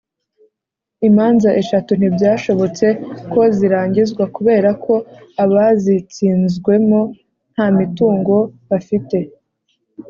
imanza eshatu ntibyashobotse ko zirangizwa kubera ko abazitsinzwemo nta mitungo bafite.